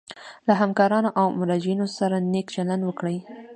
له همکارانو او مراجعینو سره نیک چلند وکړي.